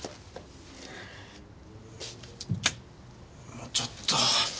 もうちょっと。